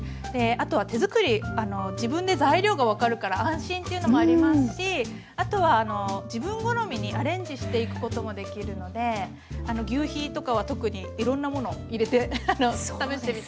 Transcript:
あとは手作り自分で材料が分かるから安心というのもありますしあとは自分好みにアレンジしていくこともできるのでぎゅうひとかは特にいろんなもの入れて食べてみてほしいですね。